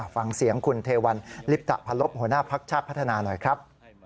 ฟังเสียงคุณเทวันลิปตะพลบหัวหน้าพักชาติพัฒนาหน่อยครับ